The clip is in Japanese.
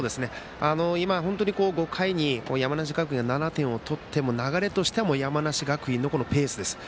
今、５回に山梨学院が７点を取っても流れとしては山梨学院のペースです。